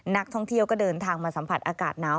นักท่องเที่ยวก็เดินทางมาสัมผัสอากาศหนาว